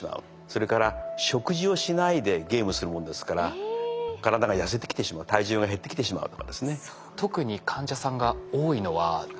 それから食事をしないでゲームするもんですから体が痩せてきてしまう体重が減ってきてしまうとかですね。